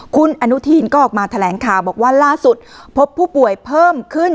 คุณอนุทีนก็ออกมาแถลงข่าวบอกว่าล่าสุดพบผู้ป่วยเพิ่มขึ้น